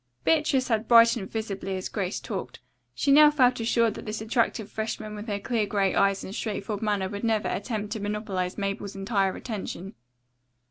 Beatrice had brightened visibly as Grace talked. She now felt assured that this attractive freshman with her clear grey eyes and straightforward manner would never attempt to monopolize Mabel's entire attention.